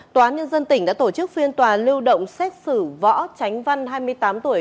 tòa án nhân dân tỉnh đã tổ chức phiên tòa lưu động xét xử võ tránh văn hai mươi tám tuổi